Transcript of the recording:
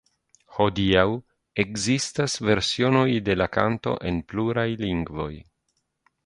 Hodiaŭ ekzistas versiojn de la kanto en pluraj lingvoj.